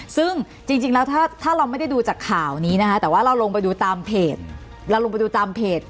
ซึ่งจริงแล้วถ้าเราไม่ได้ดูจากข่าวนี้นะคะแต่ว่าเราลงไปดูตามเพจเราลงไปดูตามเพจ